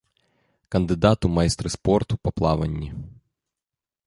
Кандыдат у майстры спорту па плаванні.